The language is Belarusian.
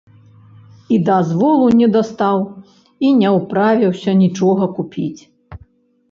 І дазволу не дастаў, і не ўправіўся нічога купіць.